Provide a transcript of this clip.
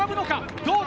どうだ？